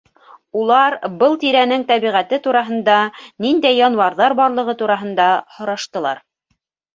Улар был тирәнең тәбиғәте тураһында, ниндәй януарҙар барлығы тураһында һораштылар.